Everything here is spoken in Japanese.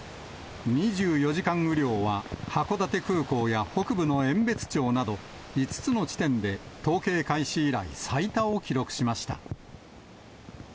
２４時間雨量は、函館空港や北部の遠別町など５つの地点で統計開始以来、最多を記録しました。